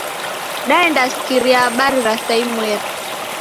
Daendasikiria habari ra saa imweri.